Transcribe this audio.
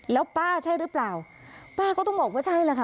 แล้วป้าใช่หรือเปล่าป้าก็ต้องบอกว่าใช่แหละค่ะ